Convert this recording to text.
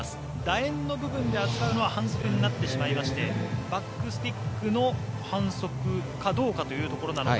楕円の部分で扱うのは反則になってしまいましてバックスティックの反則かどうかというところなのか。